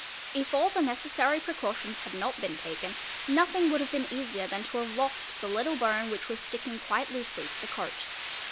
If all the necessary precau — tions had not been taken, nothing would have been easier than to have lost the little bone which was sticking quite loosely to the coat.